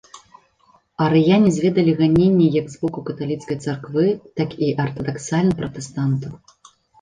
Арыяне зведалі ганенні як з боку каталіцкай царквы, так і артадаксальны пратэстантаў.